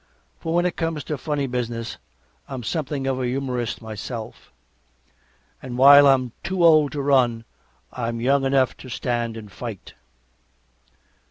For when it comes to funny business I'm something of a humorist myself. And while I'm too old to run, I'm young enough to stand and fight.